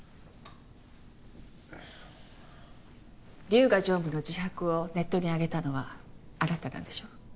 龍河常務の自白をネットにあげたのはあなたなんでしょ？